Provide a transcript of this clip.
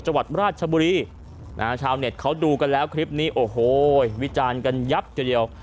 จังหวัดราชบุรีนะฮะชาวเน็ตเขาดูกันแล้วคลิปนี้โอ้โหวิจารณ์กันยับทีเดียว